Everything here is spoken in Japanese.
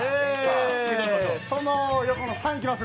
その横の３いきます。